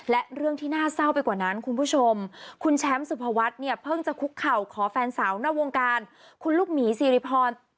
และเรื่องที่น่าเศร้าไปกว่านั้นคุณผู้ชมคุณแชมป์สุภวัฒน์เนี่ยเพิ่งจะคุกเข่าขอแฟนสาวนอกวงการคุณลูกหมีสิริพร